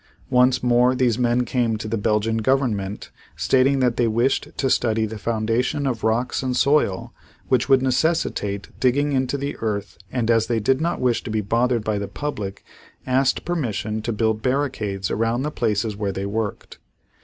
Once more these men came to the Belgian Government stating that they wished to study the formation of rocks and soil which would necessitate digging into the earth and as they did not wish to be bothered by the public, asked permission to build barricades around the places where they worked.